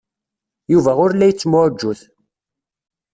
Yuba ur la yettemɛujjut.